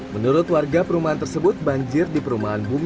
menurut warga perumahan tersebut banjir di perumahan bumi